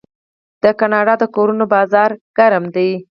د کاناډا د کورونو بازار ګرم دی.